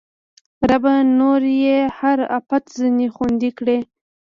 ربه! نور یې هر اپت ځنې خوندي کړې